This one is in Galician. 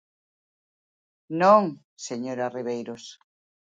Non, señora Ribeiros.